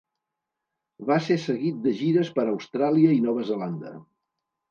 Va ser seguit de gires per Austràlia i Nova Zelanda.